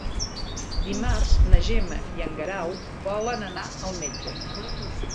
Dimarts na Gemma i en Guerau volen anar al metge.